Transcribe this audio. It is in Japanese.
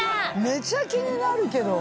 めちゃ気になるけど！